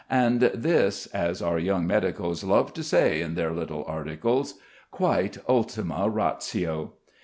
And this, as our young medicos love to say in their little articles quite _ultima ratio.